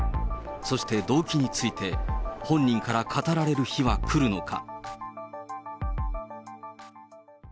そして動機について、本人から語られる日は来るのか。